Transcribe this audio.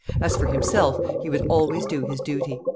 As for himself, he would always do his duty."